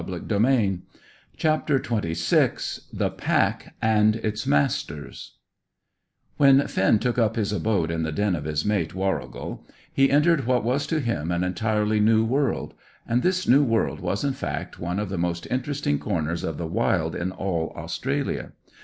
CHAPTER XXVI THE PACK AND ITS MASTERS When Finn took up his abode in the den of his mate, Warrigal, he entered what was to him an entirely new world, and this new world was in fact one of the most interesting corners of the wild in all Australia.